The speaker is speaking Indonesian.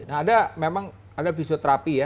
nah ada memang ada fisioterapi ya